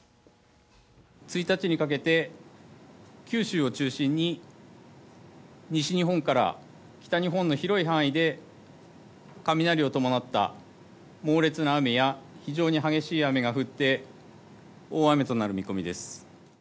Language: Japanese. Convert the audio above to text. １日にかけて、九州を中心に西日本から北日本の広い範囲で、雷を伴った猛烈な雨や、非常に激しい雨が降って、大雨となる見込みです。